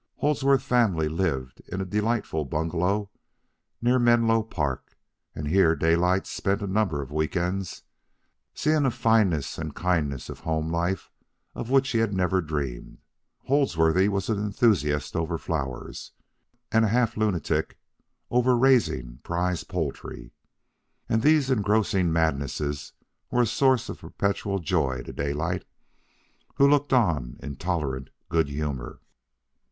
Holdsworthy's family lived in a delightful bungalow near Menlo Park, and here Daylight spent a number of weekends, seeing a fineness and kindness of home life of which he had never dreamed. Holdsworthy was an enthusiast over flowers, and a half lunatic over raising prize poultry; and these engrossing madnesses were a source of perpetual joy to Daylight, who looked on in tolerant good humor.